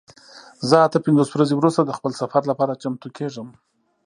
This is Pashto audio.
زه اته پنځوس ورځې وروسته د خپل سفر لپاره چمتو کیږم.